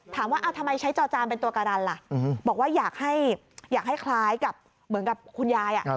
ถามว่าทำไมใช้จอจานเป็นตัวการันล่ะบอกว่าอยากให้คล้ายกับเหมือนกับคุณยาย